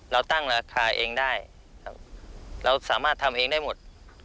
เราตั้งราคาเองได้ครับเราสามารถทำเองได้หมด